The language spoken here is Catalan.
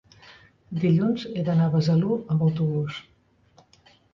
dilluns he d'anar a Besalú amb autobús.